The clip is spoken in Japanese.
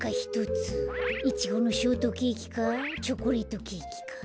イチゴのショートケーキかチョコレートケーキか。